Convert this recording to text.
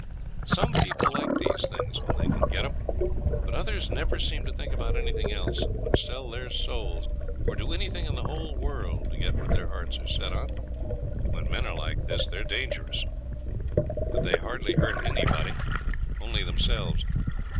Some people like these things when they can get them; but others never seem to think about anything else, and would sell their souls or do anything in the whole world to get what their hearts are set on. When men are like this they're dangerous, but they hardly hurt anybody, only themselves.